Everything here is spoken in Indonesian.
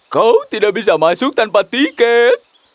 kau tidak bisa masuk tanpa tiket